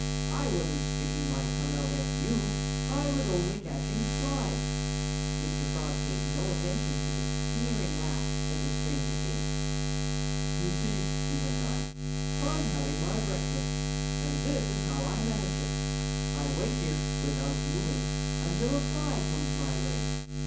I wasn't sticking my tongue out at you. I was only catching flies." Mr. Frog paid no attention to the sneering laugh that the stranger gave. "You see," he went on, "I'm having my breakfast. And this is how I manage it: I wait here without moving until a fly comes my way.